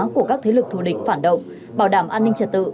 của các thế lực thù địch phản động bảo đảm an ninh trật tự